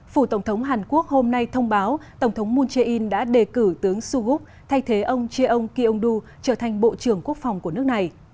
phủ tổng thống hàn quốc hôm nay thông báo tổng thống moon jae in đã đề cử tướng suhuk thay thế ông chie ong ki ong du trở thành bộ trưởng quốc phòng của nước này